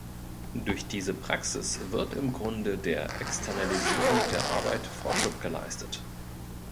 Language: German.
Durch diese Praxis wird im Grunde der Externalisierung der Arbeit Vorschub geleistet.